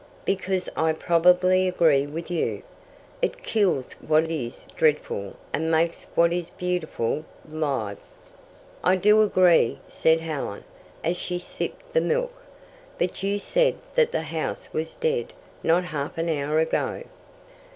"Because I probably agree with you." "It kills what is dreadful and makes what is beautiful live." "I do agree," said Helen, as she sipped the milk. "But you said that the house was dead not half an hour ago."